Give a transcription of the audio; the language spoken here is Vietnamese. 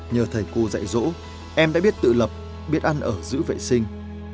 nhờ thầy cô dạy dỗ em đã biết tự lập biết ăn ở giữ vệ sinh